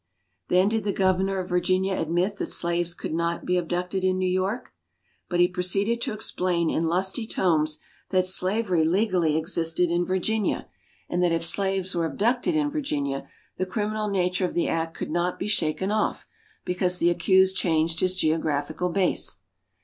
Then did the Governor of Virginia admit that slaves could not be abducted in New York; but he proceeded to explain in lusty tomes that slavery legally existed in Virginia, and that if slaves were abducted in Virginia, the criminal nature of the act could not be shaken off because the accused changed his geographical base.